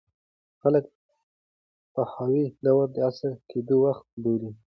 خلک د پهلوي دوره د عصري کېدو وخت بولي.